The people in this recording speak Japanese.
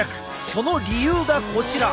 その理由がこちら！